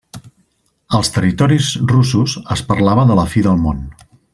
Als territoris russos es parlava de la fi del món.